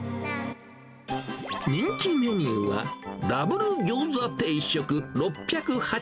人気メニューは、ダブル餃子定食６８０円。